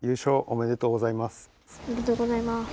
ありがとうございます。